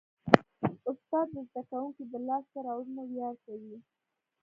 استاد د زده کوونکي د لاسته راوړنو ویاړ کوي.